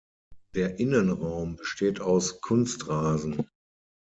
Der Innenraum besteht aus Kunstrasen.